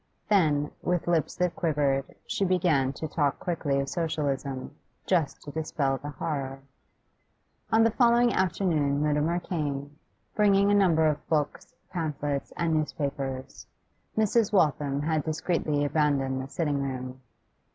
Then, with lips that quivered, she began to talk quickly of Socialism, just to dispel the horror. On the following afternoon Mutimer came, bringing a number of books, pamphlets, and newspapers. Mrs. Waltham had discreetly abandoned the sitting room.